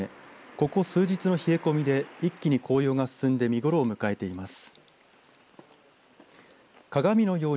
ここ数日の冷え込みで一気に紅葉が進んで見頃を迎えています。